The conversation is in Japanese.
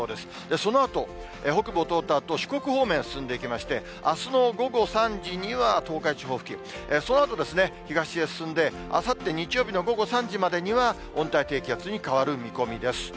そのあと、北部を通ったあと、四国方面へ進んでいきまして、あすの午後３時には東海地方付近、そのあと、東へ進んで、あさって日曜日の午後３時までには、温帯低気圧に変わる見込みです。